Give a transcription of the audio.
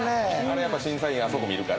やっぱ審査員あそこ見るから。